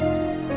kamu mau ngerti